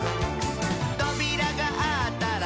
「とびらがあったら」